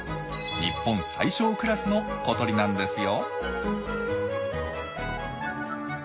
日本最小クラスの小鳥なんですよ。